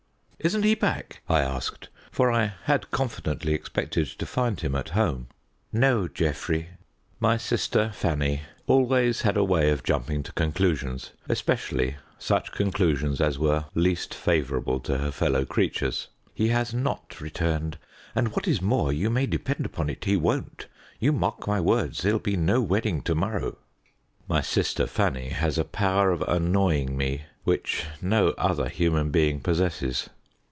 "Isn't he back?" I asked, for I had confidently expected to find him at home. "No, Geoffrey," my sister Fanny always had a way of jumping to conclusions, especially such conclusions as were least favourable to her fellow creatures "he has not returned, and, what is more, you may depend upon it he won't. You mark my words, there'll be no wedding to morrow." My sister Fanny has a power of annoying me which no other human being possesses.